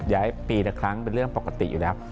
ย้ายปีละครั้งเป็นเรื่องปกติอยู่แล้ว